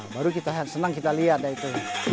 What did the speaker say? baru kita senang kita lihat itu